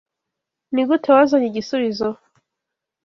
Nigute wazanye igisubizo?